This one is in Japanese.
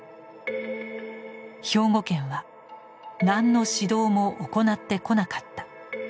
兵庫県は「何の指導も行ってこなかった」。